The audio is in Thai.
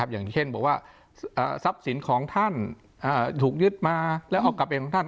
อย่างเช่นบอกว่าทรัพย์สินของท่านถูกยึดมาแล้วเอากลับไปของท่าน